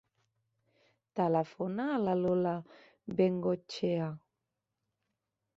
Telefona a la Lola Bengoetxea.